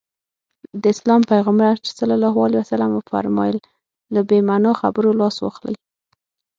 د اسلام پيغمبر ص وفرمايل له بې معنا خبرو لاس واخلي.